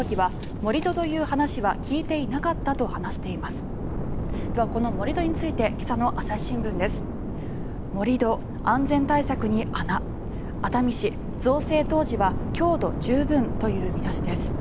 盛り土、安全対策に穴熱海市、造成当時は強度十分という見出しです。